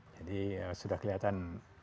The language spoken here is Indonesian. jadi sudah kelihatan